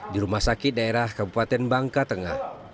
di rumah sakit daerah kabupaten bangka tengah